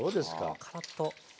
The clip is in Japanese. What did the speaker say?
あカラッと。